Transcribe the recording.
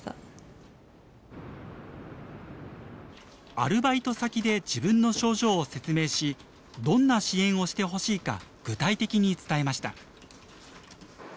アルバイト先で自分の症状を説明しどんな支援をしてほしいか具体的に伝えました。